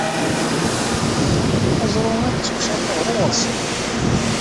Aẓru-a yettemcabi ar uɣersiw.